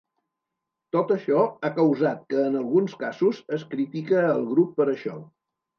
Tot això ha causat que en alguns casos es critique el grup per això.